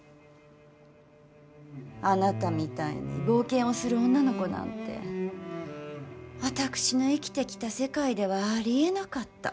あなたみたいに冒険をする女の子なんて私が生きてきた世界ではありえなかった。